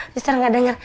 justru nggak denger